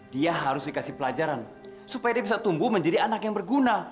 dia harus dikasih pelajaran supaya dia bisa tumbuh menjadi anak yang berguna